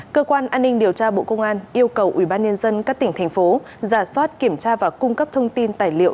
cơ quan an ninh điều tra bộ công an yêu cầu ủy ban nhân dân các tỉnh thành phố giả soát kiểm tra và cung cấp thông tin tài liệu